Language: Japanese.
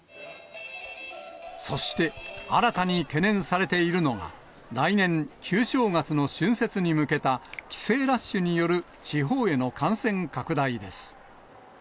そして、新たに懸念されているのが、来年、旧正月の春節に向けた、帰省ラッシュによる地方への感染拡大です。